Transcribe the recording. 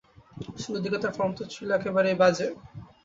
শুরুর দিকে তার ফর্ম তো ছিল একেবারেই বাজে।